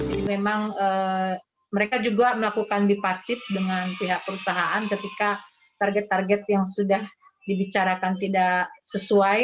jadi memang mereka juga melakukan bipartit dengan pihak perusahaan ketika target target yang sudah dibicarakan tidak sesuai